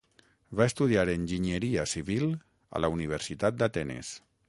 Va estudiar enginyeria civil a la Universitat d'Atenes.